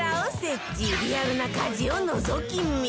リアルな家事をのぞき見！